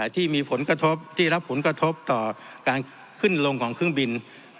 ที่มีผลกระทบที่รับผลกระทบต่อการขึ้นลงของเครื่องบิน